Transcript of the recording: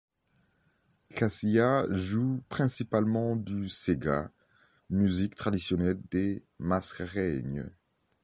Cassiya joue principalement du séga, musique traditionnelle des Mascareignes.